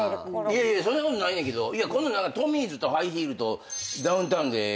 いやいやそんなことないねんけど今度トミーズとハイヒールとダウンタウンでみたいな話。